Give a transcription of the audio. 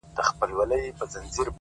باران دی _ وريځ ده ستا سترگي پټې _